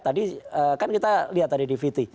tadi kan kita lihat tadi di viti